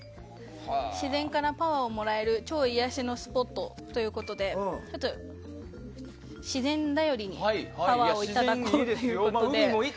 自然からパワーをもらえる超癒やしのスポットということで自然にパワーをいただこうということで。